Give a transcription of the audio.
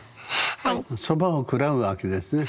そばを食らうわけですね？